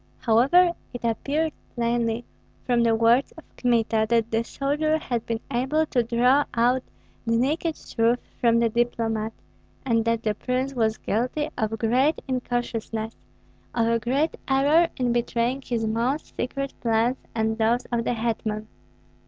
However, it appeared plainly, from the words of Kmita, that the soldier had been able to draw out the naked truth from the diplomat, and that the prince was guilty of great incautiousness, of a great error in betraying his most secret plans and those of the hetman.